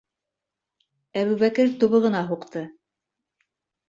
- Әбүбәкер тубығына һуҡты.